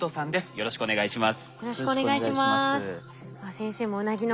よろしくお願いします。